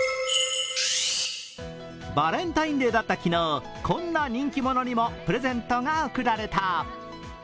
バレンタインデーだった昨日、こんな人気者にもプレゼントが贈られた。